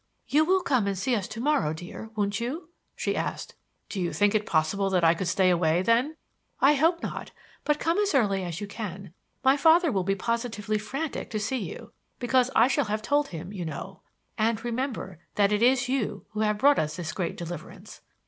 "You will come and see us to morrow, dear, won't you?" she asked. "Do you think it possible that I could stay away, then?" "I hope not, but come as early as you can. My father will be positively frantic to see you; because I shall have told him, you know. And, remember, that it is you who have brought us this great deliverance.